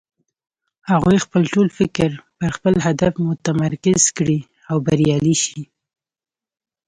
هغوی خپل ټول فکر پر خپل هدف متمرکز کړي او بريالی شي.